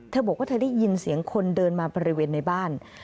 เธอบอกว่าเธอได้ยินเสียงคนเดินมาบริเวณในบ้าน